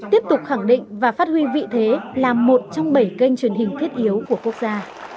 tiếp tục khẳng định và phát huy vị thế là một trong bảy kênh truyền hình thiết yếu của quốc gia